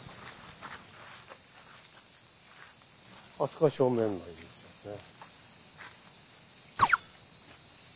あそこが正面の入り口ですね。